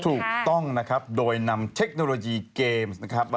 ถูกต้องนะครับโดยนำเทคโนโลยีเกมส์นะครับ